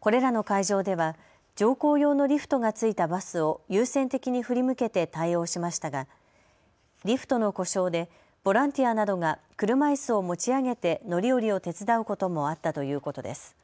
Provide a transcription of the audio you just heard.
これらの会場では乗降用のリフトがついたバスを優先的に振り向けて対応しましたがリフトの故障でボランティアなどが車いすを持ち上げて乗り降りを手伝うこともあったということです。